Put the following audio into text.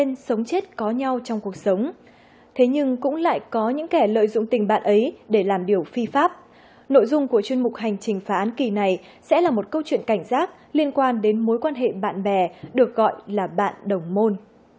nội dung tình bạn ấy của chuyên mục hành trình phá án kỳ này sẽ là một câu chuyện cảnh giác liên quan đến mối quan hệ bạn bè được gọi là bạn đồng môn